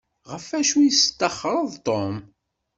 Ɣef acu i testaxṛeḍ Tom?